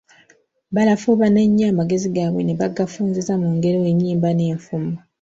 Balafuubana ennyo amagezi gaabwe ne bagafunziza mu ngero, ennyimba, n'enfumo.